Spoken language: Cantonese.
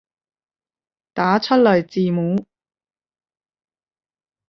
打出來字母